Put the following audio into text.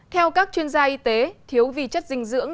theo các chuyên gia y tế thiếu vị chất dinh dưỡng